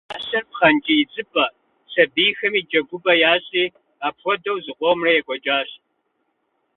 Иужьым мащэр пхъэнкӏий идзыпӏэ, сабийхэми джэгупӏэ ящӏри, апхуэдэу зыкъомрэ екӏуэкӏащ.